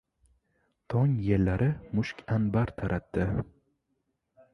Tong yellari mushk-anbar taratdi.